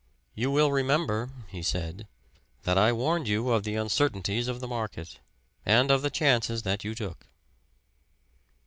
"You will remember," he said, "that I warned you of the uncertainties of the market, and of the chances that you took."